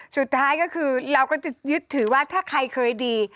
สุดท้ายก็คือเราก็จะยึดถือว่าถ้าใครเคยดี